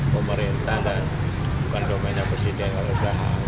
pemerintah dan domennya pdip